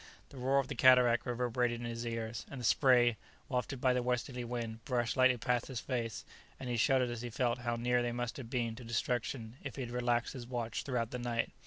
The roar of the cataract reverberated in his ears, and the spray, wafted by the westerly wind, brushed lightly past his face, and he shuddered as he felt how near they must have been to destruction if he had relaxed his watch throughout the night.